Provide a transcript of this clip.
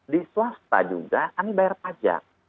di swasta juga kami bayar pajak